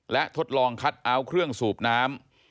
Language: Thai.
และทดลองคัทเอาท์เครื่องสูบน้ำ